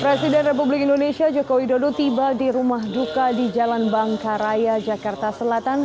presiden republik indonesia joko widodo tiba di rumah duka di jalan bangka raya jakarta selatan